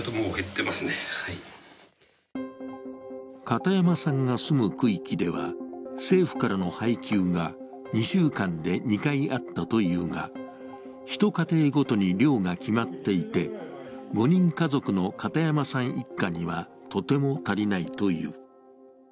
片山さんが住む区域では政府からの配給が２週間で２回あったというが、一家庭ごとに量が決まっていて、５人家族の片山さん一家にはとても足りないという。